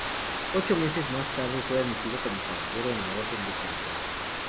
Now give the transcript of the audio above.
Ocho meses más tarde fue admitido como caballero en la Orden de Calatrava.